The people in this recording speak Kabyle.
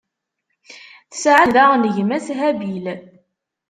Tesɛa-d daɣen gma-s, Habil.